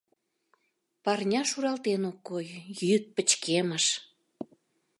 Парня шуралтен ок кой: йӱд пычкемыш.